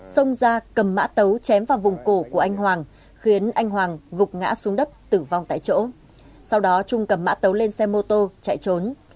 xông ra cầm mã tấu chém vào vùng cổ của anh hoàng khiến anh hoàng gục ngã xuống đất tử vong tại chỗ sau đó trung cầm mã tấu lên xe mô tô chạy trốn